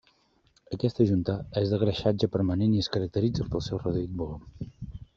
Aquesta junta és de greixatge permanent i es caracteritza pel seu reduït volum.